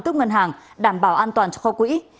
cướp ngân hàng đảm bảo an toàn cho kho quỹ